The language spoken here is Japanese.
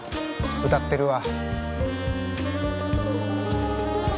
歌ってるわ。